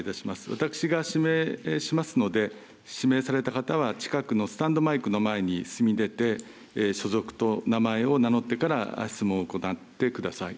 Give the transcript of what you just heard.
私が指名しますので指名された方は近くのスタンドマイクの前に進み出て、所属と名前を名乗ってから質問を行ってください。